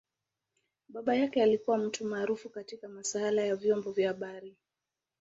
Baba yake alikua mtu maarufu katika masaala ya vyombo vya habari.